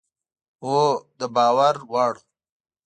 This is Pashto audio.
هو، د باور وړ